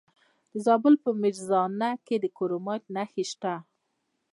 د زابل په میزانه کې د کرومایټ نښې شته.